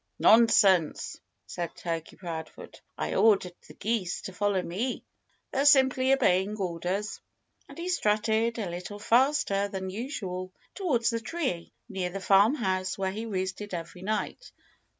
"Nonsense!" said Turkey Proudfoot. "I ordered the geese to follow me. They're simply obeying orders." And he strutted, a little faster than usual, toward the tree near the farmhouse where he roosted every night.